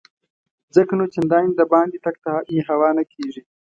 ځکه نو چنداني دباندې تګ ته مې هوا نه کیږي.